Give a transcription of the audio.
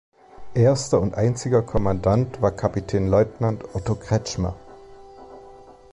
Erster und einziger Kommandant war Kapitänleutnant Otto Kretschmer.